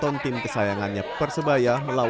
mereka tidur di perhimpunan sejak hari minggu lalu